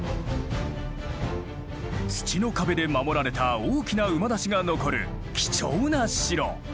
土の壁で守られた大きな馬出しが残る貴重な城。